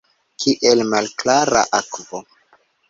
Kiel malklara akvo.